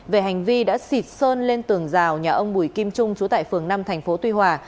về hành vi đã xịt sơn lên tường rào nhà ông bùi kim trung trú tại phường năm thành phố tuy hòa